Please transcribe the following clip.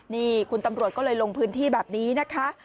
นี่คุณตำรวจก็เลยลงพื้นที่แบบนี้นะคะ